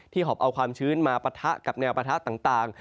หอบเอาความชื้นมาปะทะกับแนวปะทะต่าง